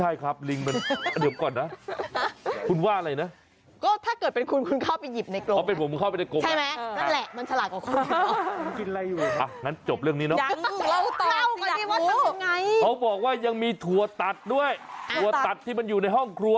อยู่กับอาทารกูภัยและรีจงานเบรตอน